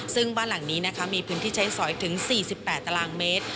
ซึ่งบ้านหลังนี้นะคะมีพื้นที่ใช้สอยถึง๔๘ตารางเมตร